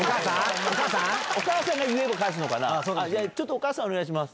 お母さんお願いします。